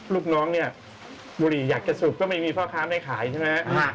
ลูกน้องเนี่ยบุหรี่อยากจะสูบก็ไม่มีพ่อค้าไม่ขายใช่ไหม